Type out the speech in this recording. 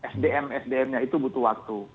sdm sdmnya itu butuh waktu